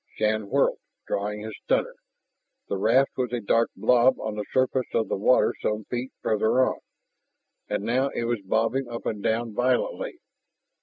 Shann whirled, drawing his stunner. The raft was a dark blob on the surface of the water some feet farther on. And now it was bobbing up and down violently.